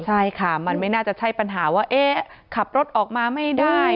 ใช่ค่ะมันไม่น่าจะใช่ปัญหาว่าเอ๊ะขับรถออกมาไม่ได้